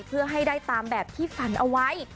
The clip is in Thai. เพื่อให้ได้ตามแบบที่ฝันเอาไว้